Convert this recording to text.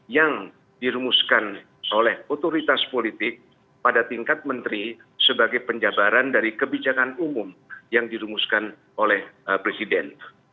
yang dirumuskan oleh otoritas politik pada tingkat menteri sebagai penjabaran dari kebijakan umum yang dirumuskan oleh presiden